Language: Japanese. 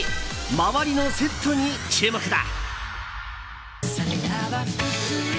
周りのセットに注目だ。